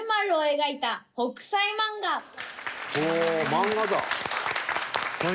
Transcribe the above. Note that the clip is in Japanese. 漫画だ。